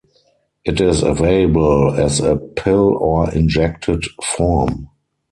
It is available as a pill or injected form.